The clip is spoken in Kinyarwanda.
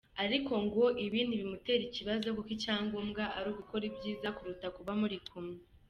Ariko ngo ibi ntibimutera ikibazo kuko icyangombwa ari ugukora byiza kuruta kuba muri kumwe.